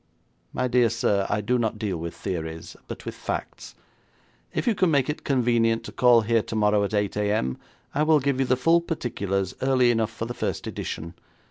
'My dear sir, I do not deal with theories, but with facts. If you can make it convenient to call here tomorrow at 8 a.m. I will give you the full particulars early enough for the first edition.